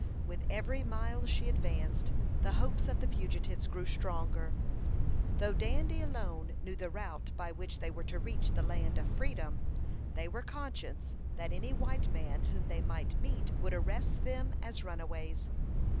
With every mile she advanced, the hopes of the fugitives grew stronger. Though Dandy alone knew the route by which they were to reach the land of freedom, they were conscious that any white man whom they might meet would arrest them as runaways.